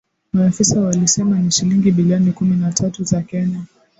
Maafisa walisema ni shilingi bilioni kumi na tatu za Kenya